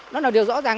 đó là điều rõ ràng